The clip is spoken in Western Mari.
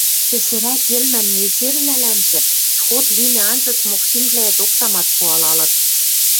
Пӹсӹрӓк йӹлмӓн незервлӓлӓнжӹ сход лимӹ анзыц Мокшинвлӓэт оксамат пуалалыт